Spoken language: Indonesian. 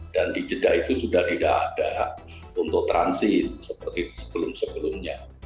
dan di jeddah itu sudah tidak ada untuk transit seperti sebelum sebelumnya